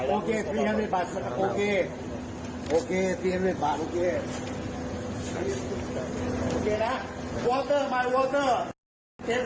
โอเคโอเคเตรียมด้วยบาทโอเคนะ